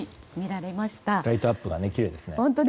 ライトアップがきれいですね。